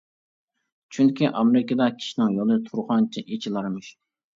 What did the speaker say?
چۈنكى ئامېرىكىدا كىشىنىڭ يولى تۇرغانچە ئېچىلارمىش.